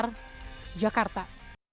lima tahun ke depan